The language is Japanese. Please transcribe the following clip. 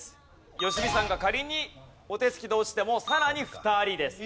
良純さんが仮にお手つきで落ちてもさらに２人です。